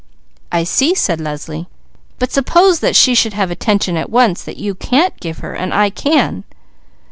"I see," said Leslie. "But suppose that she should have attention at once, that you can't give her, and I can?"